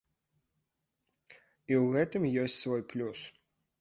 І ў гэтым ёсць свой плюс.